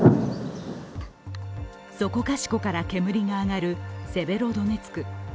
そこかしこから煙が上がるセベロドネツク。